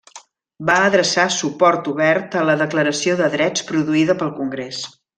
Va adreçar suport obert a la Declaració de Drets produïda pel Congrés.